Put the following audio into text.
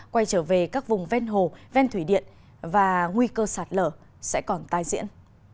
quay trở về các vùng ven hồ ven thủy điện và nguy cơ sạt lở sẽ còn tai diễn